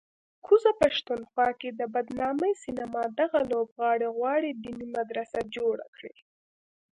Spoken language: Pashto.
کوزه پښتونخوا کې د بدنامې سینما دغه لوبغاړی غواړي دیني مدرسه جوړه کړي